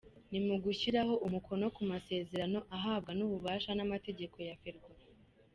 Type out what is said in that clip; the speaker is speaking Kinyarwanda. Ni mu gushyiraho umukono ku masezerano ahabwa n’ububasha n’amategeko ya Ferwafa.